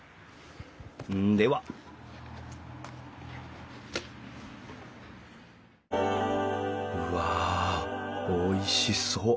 ではうわおいしそう。